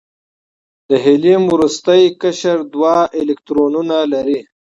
د هیلیم وروستی قشر دوه الکترونونه لري.